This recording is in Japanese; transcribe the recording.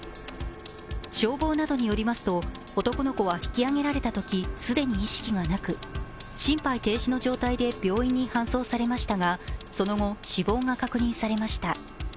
消防などによりますと、男の子は引き上げられたとき既に意識がなく、心肺停止の状態で病院に搬送されましたが、その後死亡が確認されました。